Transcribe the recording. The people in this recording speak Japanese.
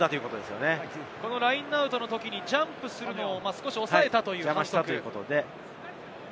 ラインアウトのときにジャンプするのを少し抑えたという反則です。